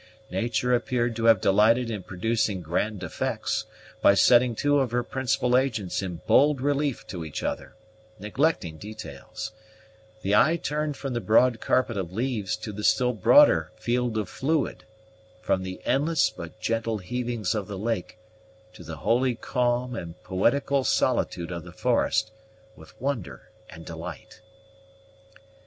Nature appeared to have delighted in producing grand effects, by setting two of her principal agents in bold relief to each other, neglecting details; the eye turning from the broad carpet of leaves to the still broader field of fluid, from the endless but gentle heavings of the lake to the holy calm and poetical solitude of the forest, with wonder and delight.